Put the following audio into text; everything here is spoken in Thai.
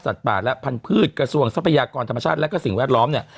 ป่าและพันธุ์กระทรวงทรัพยากรธรรมชาติและสิ่งแวดล้อมเนี่ย